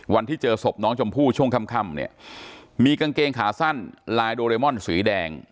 วันที่เจอศพน้องชมพู่ช่วงค่ำเนี่ยมีกางเกงขาสั้นลายโดเรมอนสีแดง